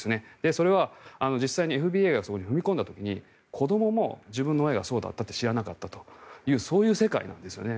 それは実際にＦＢＩがそこに踏み込んだ時に子どもも自分の親がそうだったと知らなかったというそういう世界なんですよね。